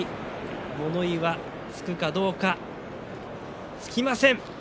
物言いがつくかどうかつきません。